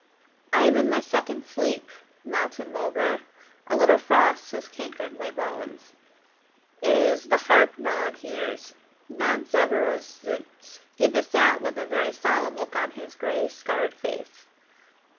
"I am in my second sleep, Mountain mulgar. A little frost has cankered my bones. It is the Harp Nod hears, not Zevvera's zōōts." Ghibba sat with a very solemn look on his grey scarred face.